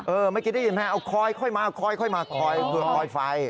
เออเมื่อกี้ได้ยินไหมเอาคอยค่อยมาคอยค่อยมาคอยค่อยไฟ